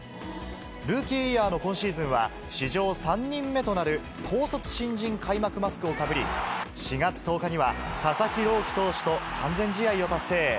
ルーキーイヤーの今シーズンは、史上３人目となる高卒新人開幕マスクをかぶり、４月１０日には、佐々木朗希投手と完全試合を達成。